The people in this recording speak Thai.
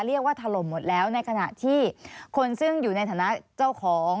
ถล่มหมดแล้วในขณะที่คนซึ่งอยู่ในฐานะเจ้าของ